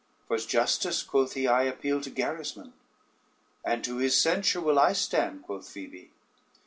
"For justice," quoth he, "I appeal to Gerismond." "And to his censure will I stand," quoth Phoebe.